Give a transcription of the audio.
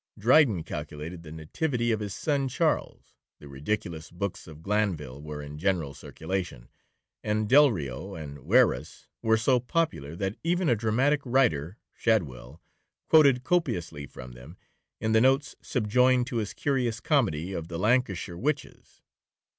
Dryden calculated the nativity of his son Charles, the ridiculous books of Glanville were in general circulation, and Delrio and Wierus were so popular, that even a dramatic writer (Shadwell) quoted copiously from them, in the notes subjoined to his curious comedy of the Lancashire witches.